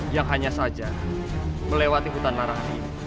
yang hanya saja melewati hutan narah ini